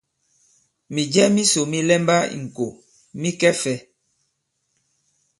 Mìjɛ misò mi lɛmba ì-ŋkò mi kɛ fɛ̄?